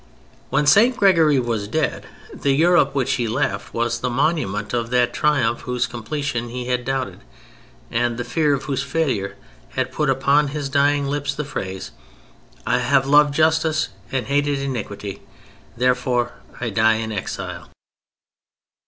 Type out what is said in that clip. When St. Gregory was dead the Europe which he left was the monument of that triumph whose completion he had doubted and the fear of whose failure had put upon his dying lips the phrase: "I have loved justice and hated iniquity, therefore I die in exile."